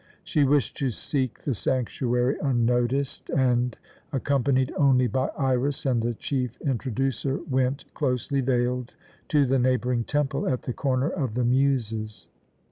She wished to seek the sanctuary unnoticed and, accompanied only by Iras and the chief Introducer, went, closely veiled, to the neighbouring temple at the Corner of the Muses.